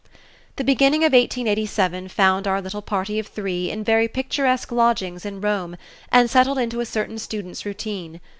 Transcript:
The beginning of 1887 found our little party of three in very picturesque lodgings in Rome, and settled into a certain student's routine.